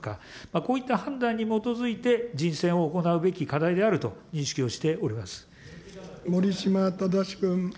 こういった判断に基づいて人選を行うべき課題であると認識をして守島正君。